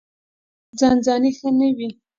ځان ځاني ښه نه وي.